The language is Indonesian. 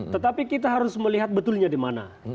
tetapi kita harus melihat betulnya di mana